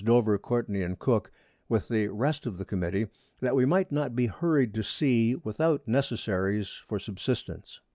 Dover, Courtney and Cooke, with the rest of the Committee, that we might not be hurried to Sea without Necessaries for Subsistance.